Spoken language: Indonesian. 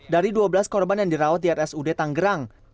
dari dua belas korban yang dirawat di rsud tanggerang